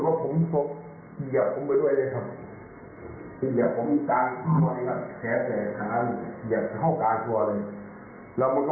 รถผมตกเหยียบผมไปด้วยเลยครับ